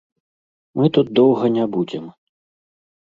Мы тут доўга не будзем.